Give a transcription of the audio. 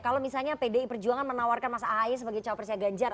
kalau misalnya pdi perjuangan menawarkan mas ae sebagai cowok perusahaan ganjar